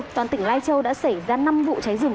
toàn tỉnh lai châu đã xảy ra năm vụ cháy rừng